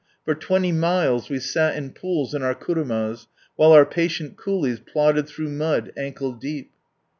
For twenty miles we sat in pools in our kunimas, while our patient coolies plodded through mud, ankle deep.